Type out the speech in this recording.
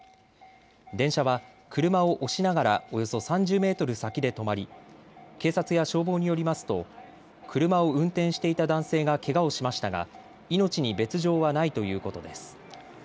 電車は車を押しながらおよそ３０メートル先で止まり警察や消防によりますと車を運転していた男性がけがをしましたが命に別状はないということです。